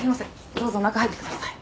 どうぞ中に入ってください。